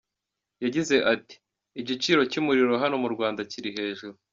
Yagize ati :"Igiciro cy’umuriro hano mu Rwanda kiri hejuru.